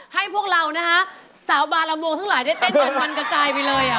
ให้พวกเรานะคะสาวบาลำวงทั้งหลายได้เต้นกันวันกระจายไปเลย